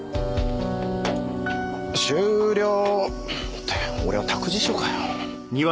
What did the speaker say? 終了！って俺は託児所かよ。